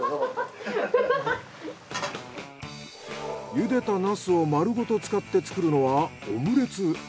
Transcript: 茹でたナスを丸ごと使って作るのはオムレツ。